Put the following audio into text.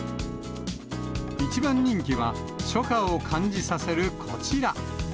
一番人気は初夏を感じさせるこちら。